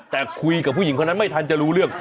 แต่คุยกับผู้หญิงคนนั้นไม่ทันจะรู้เรื่อง